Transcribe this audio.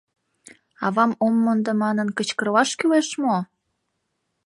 Авам ом мондо манын, кычкырлаш кӱлеш мо?